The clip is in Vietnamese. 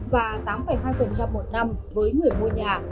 và tám hai một năm với người mua nhà